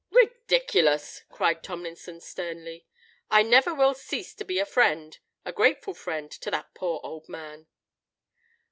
"Ridiculous!" cried Tomlinson, sternly. "I never will cease to be a friend—a grateful friend—to that poor old man."